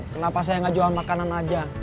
kenapa saya nggak jual makanan aja